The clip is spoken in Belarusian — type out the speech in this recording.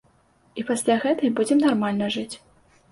І пасля гэтай будзем нармальна жыць.